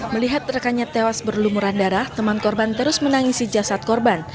melihat rekannya tewas berlumuran darah teman korban terus menangisi jasad korban